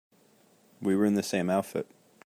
We were in the same outfit.